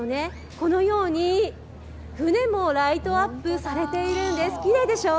このように、船もライトアップされているんです、きれいでしょう？